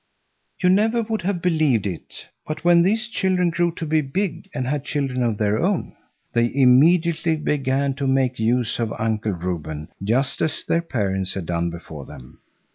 You never would have believed it, but when these children grew to be big and had children of their own, they immediately began to make use of Uncle Reuben, just as their parents had done before them.